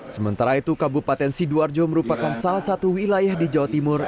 sementara itu kabupaten sidoarjo merupakan salah satu wilayah di jawa timur